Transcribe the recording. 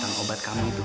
tentang obat kamu itu